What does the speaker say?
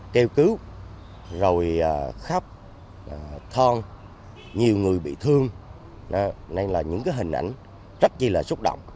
kêu cứu rồi khắp thon nhiều người bị thương đây là những hình ảnh rất là xúc động